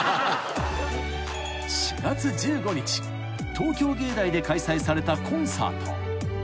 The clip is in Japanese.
［東京藝大で開催されたコンサート］